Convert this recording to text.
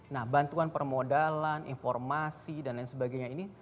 nah bantuan permodalan informasi dan lain sebagainya ini